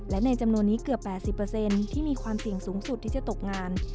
และในจำนวนนี้เกือบ๘๐ที่มีความเสี่ยงสูงสุดที่จะตกงาน